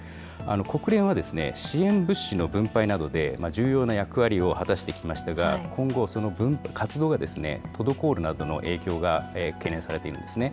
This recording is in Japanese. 国連は支援物資の分配などで重要な役割を果たしてきましたが、今後、その活動が滞るなどの影響が懸念されているんですね。